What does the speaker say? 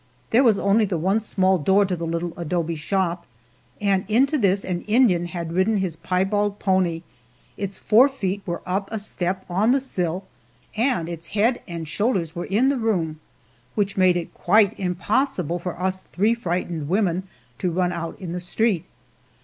There was only the one small door to the little adobe shop, and into this an Indian had ridden his piebald pony; its forefeet were up a step on the sill and its head and shoulders were in the room, which made it quite impossible for us three frightened women to run out in the street.